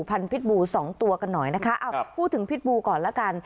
พิษบูสองตัวกันหน่อยนะคะอ้าวพูดถึงพิษบูก่อนแล้วกัน